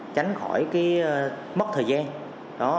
tránh khỏi mất thời gian